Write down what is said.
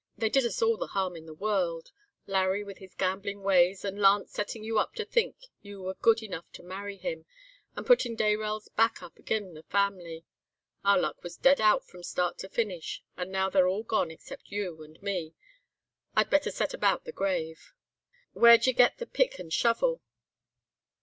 They did us all the harm in the world; Larry with his gambling ways, and Lance setting you up to think you were good enough to marry him, and putting Dayrell's back up agen the family. Our luck was dead out from start to finish, and now they're all gone except you and me. I'd better set about the grave.' "'Where'd ye get the pick and shovel?